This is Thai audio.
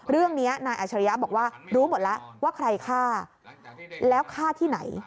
เรื่องนี้นายอัชริยะบอกว่ารู้หมดแล้วว่าใครฆ่าแล้วฆ่าที่ไหน